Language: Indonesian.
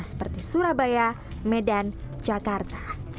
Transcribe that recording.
seperti surabaya medan jakarta